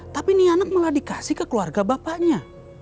tapi nih anak malah dikasih ke keluarga bapaknya